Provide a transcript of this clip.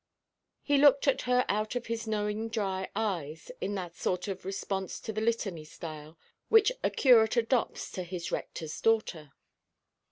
He looked at her out of his knowing dry eyes in that sort of response–to–the–Litany style which a curate adopts to his rectorʼs daughter.